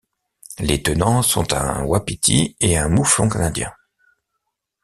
Les tenants sont un Wapiti et un Mouflon canadien.